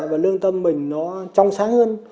và lương tâm mình nó trong sáng hơn